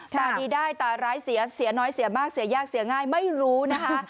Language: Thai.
ตาดีได้ตาร้ายเสียเสียน้อยเสียมากเสียยากเสียง่ายไม่รู้นะคะ